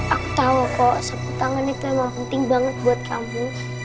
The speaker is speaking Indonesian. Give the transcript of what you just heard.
aku tahu kok suku tangan itu memang penting banget buat kamu